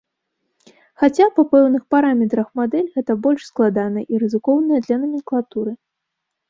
Хаця, па пэўных параметрах, мадэль гэта больш складаная і рызыкоўная для наменклатуры.